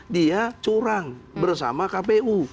dia curang bersama kpu